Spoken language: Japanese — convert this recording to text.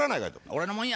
俺のもんや。